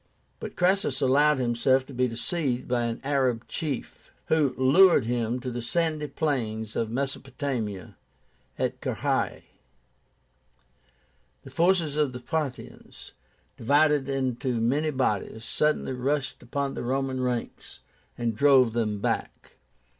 But Crassus allowed himself to be deceived by an Arab chief, who lured him to the sandy plains of Mesopotamia at Carrhae. The forces of the Parthians, divided into many bodies, suddenly rushed upon the Roman ranks, and drove them back.